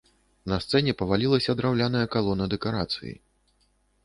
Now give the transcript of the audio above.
На сцэне павалілася драўляная калона дэкарацыі.